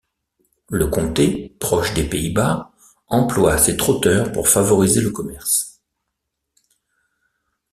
Le comté, proche des Pays-Bas, emploie ces trotteurs pour favoriser le commerce.